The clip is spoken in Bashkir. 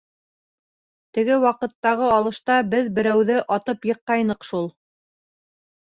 Теге ваҡыттағы алышта беҙ берәүҙе атып йыҡҡайныҡ шул.